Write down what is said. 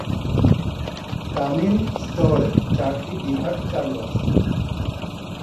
কামিল স্তরে চারটি বিভাগ চালু আছে।